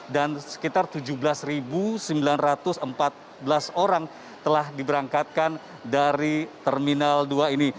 dan sekitar tujuh belas sembilan ratus empat belas orang telah diberangkatkan dari terminal dua ini